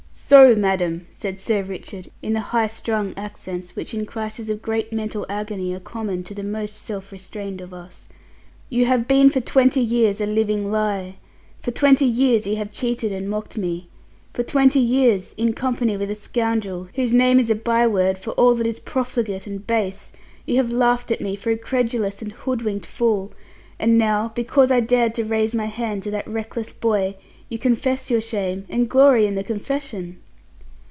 "So, madam," said Sir Richard, in the high strung accents which in crises of great mental agony are common to the most self restrained of us, "you have been for twenty years a living lie! For twenty years you have cheated and mocked me. For twenty years in company with a scoundrel whose name is a byword for all that is profligate and base you have laughed at me for a credulous and hood winked fool; and now, because I dared to raise my hand to that reckless boy, you confess your shame, and glory in the confession!"